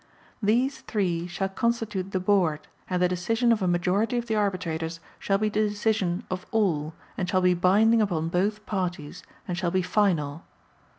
These three shall constitute the Board and the decision of a majority of the arbitrators shall be the decision of all and shall be binding upon both parties and shall be final.